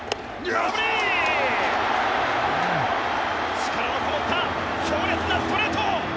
力のこもった強烈なストレート！